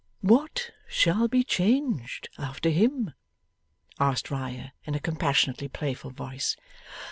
'What shall be changed, after him?' asked Riah in a compassionately playful voice.